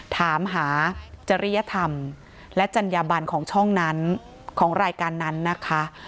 ถามหาจริยธรรมและจัญญาบันของช่องนั้นของรายการนั้นนะคะ